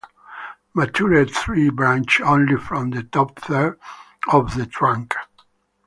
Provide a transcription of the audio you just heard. Mature trees branch only from the top third of the trunk.